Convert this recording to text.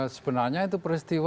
sebenarnya itu peristiwa